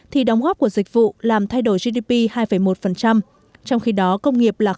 thì đóng góp của dịch vụ làm thay đổi gdp hai một trong khi đó công nghiệp là bốn